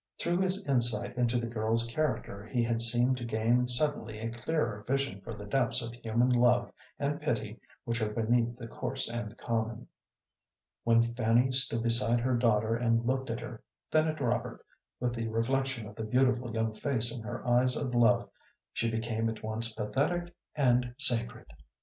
Through his insight into the girl's character, he had seemed to gain suddenly a clearer vision for the depths of human love and pity which are beneath the coarse and the common. When Fanny stood beside her daughter and looked at her, then at Robert, with the reflection of the beautiful young face in her eyes of love, she became at once pathetic and sacred.